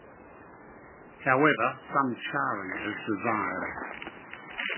However, some charring is desired.